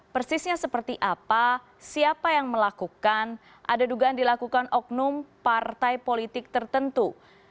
persisnya seperti apa siapa yang melakukan ada dugaan dilakukan oknum partai politik tertentu